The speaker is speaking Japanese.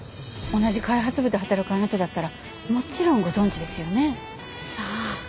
同じ開発部で働くあなただったらもちろんご存じですよね。さあ？